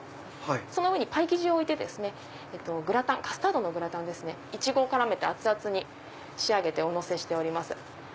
その上にパイ生地を置いてカスタードのグラタンをイチゴを絡めて熱々に仕上げておのせしております。